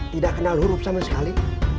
tidak kenal huruf sama sekali